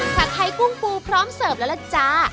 ผัดไทยกุ้งปูพร้อมเสิร์ฟแล้วล่ะจ้า